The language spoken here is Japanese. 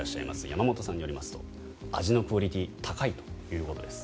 山本さんによりますと味のクオリティー高いということです。